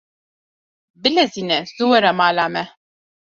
Bilezîne zû were mala me.